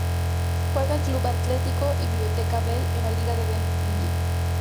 Juega en Club Atletico y Biblioteca Bell en la Liga de Bell Ville.